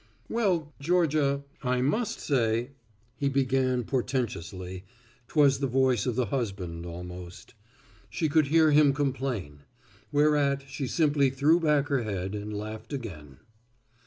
"Well, Georgia, I must say," he began portentously 'twas the voice of the husband almost. She could hear him complain. Whereat she simply threw back her head and laughed again.